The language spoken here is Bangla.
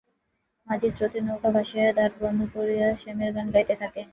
মাঝিরা স্রোতে নৌকা ভাসাইয়া দাঁড় বন্ধ করিয়া শ্যামের গান গাহিতে থাকে।